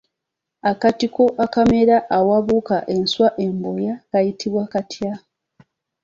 Akatiko akamera awabuuka enswa embobya kayitibwa katya?